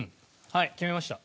はい決めました。